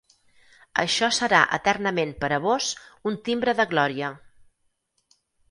Això serà eternament per a vós un timbre de glòria.